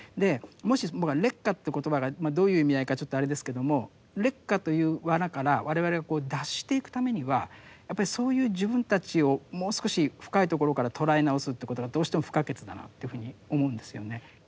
もし僕は劣化という言葉がどういう意味合いかちょっとあれですけども劣化という罠から我々がこう脱していくためにはやっぱりそういう自分たちをもう少し深いところから捉え直すということがどうしても不可欠だなというふうに思うんですよね。